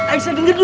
aisyah denger dulu